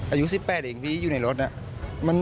อายุ๑๘เองพี่อยู่ในรถน่ะ